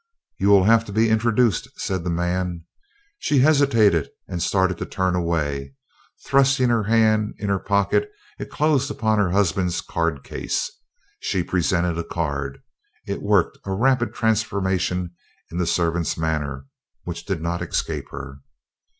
"You will have to be introduced," said the man. She hesitated and started to turn away. Thrusting her hand in her pocket it closed upon her husband's card case. She presented a card. It worked a rapid transformation in the servant's manner, which did not escape her.